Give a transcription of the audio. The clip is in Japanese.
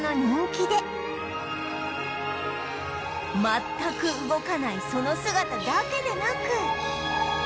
全く動かないその姿だけでなく